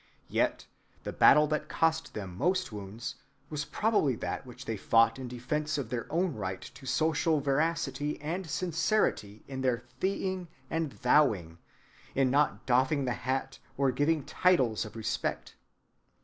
Yet the battle that cost them most wounds was probably that which they fought in defense of their own right to social veracity and sincerity in their thee‐ing and thou‐ing, in not doffing the hat or giving titles of respect.